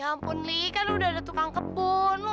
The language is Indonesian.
ya ampun kamu sudah ada tukang kebun